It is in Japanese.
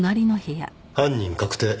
犯人確定。